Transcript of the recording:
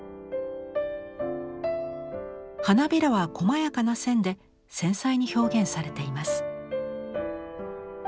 花びらはこまやかな線で繊細に表現されています。